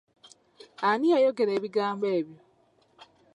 Ani yayogera ebigambo ebyo?